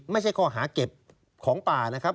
ไม่ใช่ข้อหาเก็บของป่านะครับ